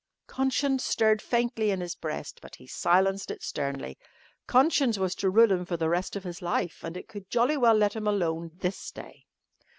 Conscience stirred faintly in his breast, but he silenced it sternly. Conscience was to rule him for the rest of his life and it could jolly well let him alone this day.